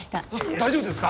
大丈夫ですか？